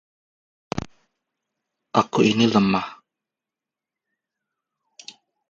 Aku ini lemah.